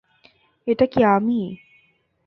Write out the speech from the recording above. এটা কী আমি?